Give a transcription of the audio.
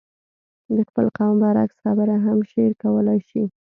د خپل قوم برعکس خبره هم شعر کولای شي.